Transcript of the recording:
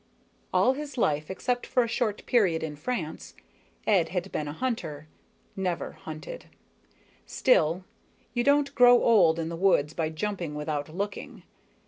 _All his life, except for a short period in France, Ed had been a hunter, never hunted. Still, you don't grow old in the woods by jumping without looking.